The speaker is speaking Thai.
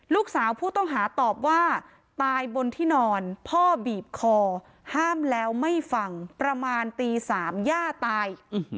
ลูกสาวผู้ต้องหาตอบว่าตายบนที่นอนพ่อบีบคอห้ามแล้วไม่ฟังประมาณตี๓ย่าตาย